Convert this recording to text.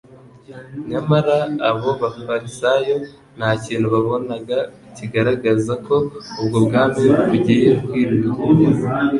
Nyamara abo bafarisayo nta kintu babonaga kigaragaza ko ubwo bwami bugiye kwimikwa.